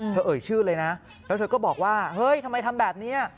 เอ่ยชื่อเลยนะแล้วเธอก็บอกว่าเฮ้ยทำไมทำแบบนี้